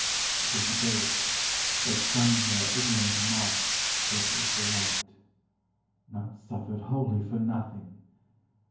The dizzy ghost, Like some more ignorant moth circles the light ... Not suffered wholly for nothing